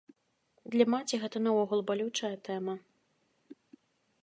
Для маці гэта наогул балючая тэма.